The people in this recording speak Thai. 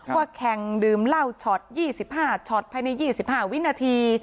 ว่าแข่งดื่มเหล้าช็อต๒๕ช็อตภายใน๒๕วินาที